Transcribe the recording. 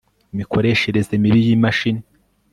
imikoreshereze mibi y imashini